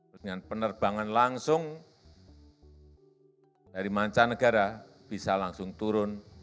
dengan penerbangan langsung dari mancanegara bisa langsung turun